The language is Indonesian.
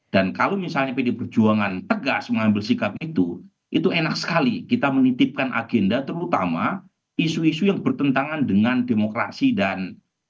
dan kalau misalnya pdi perjuangan tegas mengambil sikap itu itu enak sekali kita menitipkan agenda terutama isu isu yang bertentangan dengan demokrasi dan hak asasi manusia